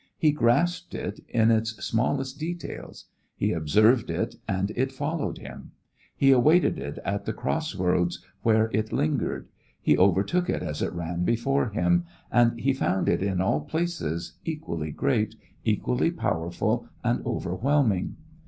He grasped it in its smallest details; he observed it and it followed him; he awaited it at the cross roads where it lingered; he overtook it as it ran before him, and he found it in all places equally great, equally powerful and overwhelming.